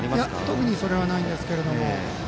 特にそれはないんですけど。